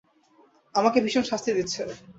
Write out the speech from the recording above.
আমাকে ভীষণ শাস্তি দিচ্ছে।